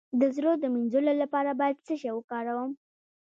د زړه د مینځلو لپاره باید څه شی وکاروم؟